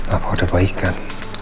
apa udah baik kan